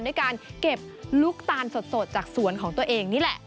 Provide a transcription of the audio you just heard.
ด้วยการเก็บลูกตาลสดจากสวนของตัวเองนี่แหละ